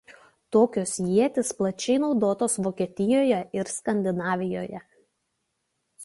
Tokios ietys plačiai naudotos Vokietijoje ir Skandinavijoje.